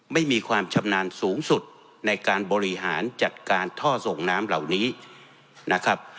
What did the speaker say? ไม่มีความชำนาญสูงสุดในการบริหารจัดการท่อส่งน้ำเหล่านี้นะครับ